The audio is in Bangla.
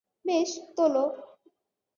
বেশ, তোলো।